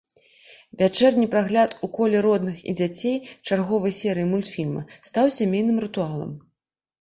Вячэрні прагляд у коле родных і дзяцей чарговай серыі мультфільма стаў сямейным рытуалам.